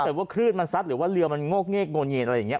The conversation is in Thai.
แต่ว่าคลื่นมันซัดหรือว่าเรือมันโงกเงกโงเงียนอะไรอย่างนี้